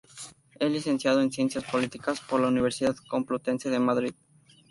Es licenciado en Ciencias Políticas por la Universidad Complutense de Madrid.